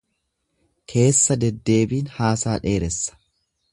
Keessa deddeebiin haasaa dheeressa.